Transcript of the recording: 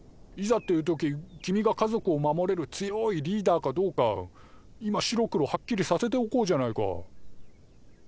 いざっていう時君が家族を守れる強いリーダーかどうか今白黒はっきりさせておこうじゃないか。